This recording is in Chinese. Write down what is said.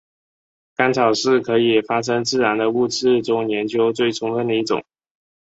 干草是可以发生自燃的物质中研究最充分的一种。